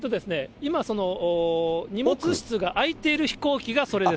今、荷物室が開いている飛行機がそれです。